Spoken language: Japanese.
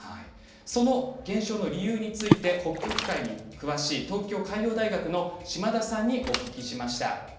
その減少の理由について北極海に詳しい東京海洋大学の島田さんにお聞きしました。